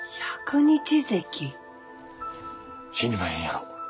死にまへんやろ？